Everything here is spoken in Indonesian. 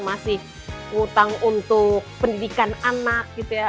masih ngutang untuk pendidikan anak gitu ya